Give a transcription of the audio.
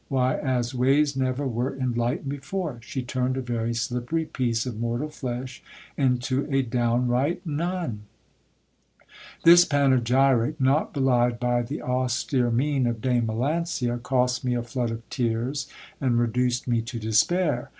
. why, as ways never were enlightened before : she turned a very slippery piece of mortal flesh into a downright nun. This panegyric, not belied by the austere mien of Dame Melancia, cost me a flood of tears, and reduced me to despair.